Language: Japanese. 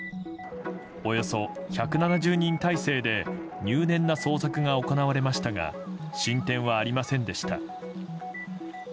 およそ１７０人態勢で入念な捜索が行われましたが進展はありませんでした。